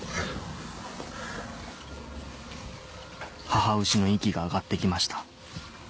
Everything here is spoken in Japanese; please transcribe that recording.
母牛の息が上がって来ました